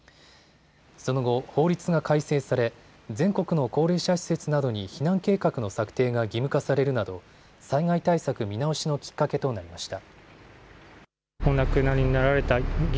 その後、法律が改正され全国の高齢者施設などに避難計画の策定が義務化されるなど災害対策見直しのきっかけとなりました。